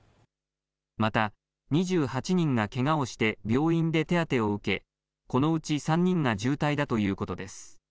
また２８人がけがをして病院で手当てを受け、このうち３人が重体だということです。